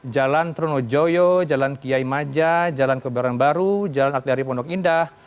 jalan tronojoyo jalan kiai maja jalan kebaran baru jalan akhliari pondok indah